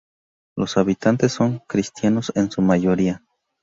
Los habitantes son cristianos en su mayoría.